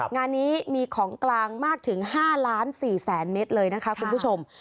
งานนี้มีของกลางมากถึง๕ล้าน๔แสนเมตรเลยนะคะคุณผู้ชม